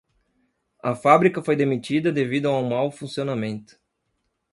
A fábrica foi demitida devido a um mau funcionamento.